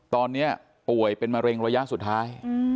ตอนนี้ป่วยเป็นมะเร็งระยะสุดท้าย